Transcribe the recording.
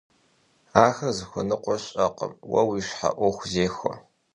Ахэр зыхуэныкъуэ щыӀэкъым, уэ уи щхьэ Ӏуэху зехуэ.